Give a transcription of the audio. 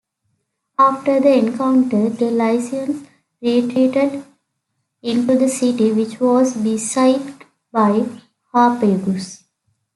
After the encounter, the Lycians retreated into the city which was besieged by Harpagus.